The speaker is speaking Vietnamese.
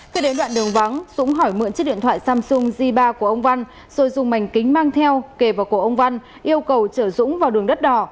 khi đến đoạn đường vắng dũng hỏi mượn chiếc điện thoại samsung g ba của ông văn rồi dùng mảnh kính mang theo kề vào cổ ông văn yêu cầu chở dũng vào đường đất đỏ